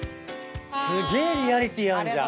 すげえリアリティーあんじゃん。